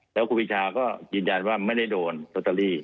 แล้วครูปีชาก็ยืนยันว่าไม่ได้โดนโรตเตอรี่